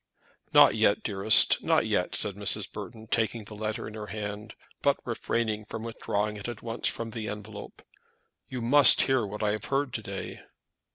"Not yet, dearest; not yet," said Mrs. Burton, taking the letter in her hand, but refraining from withdrawing it at once from the envelope. "You must hear what I have heard to day."